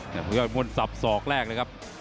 มันสับสอกแรกเลยครับ